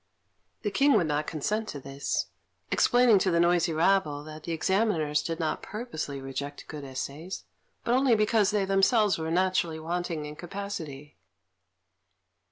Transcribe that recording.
The King would not consent to this, explaining to the noisy rabble that the Examiners did not purposely reject good essays, but only because they themselves were naturally wanting in capacity.